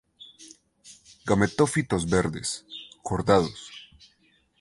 Gametófitos verdes, cordados.